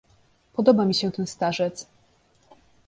"podoba mi się ten starzec!..."